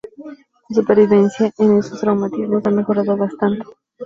La supervivencia en estos traumatismos ha mejorado bastante.